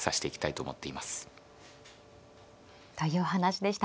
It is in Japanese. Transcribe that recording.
というお話でした。